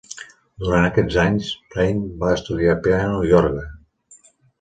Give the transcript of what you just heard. Durant aquests anys, Brain va estudiar piano i orgue.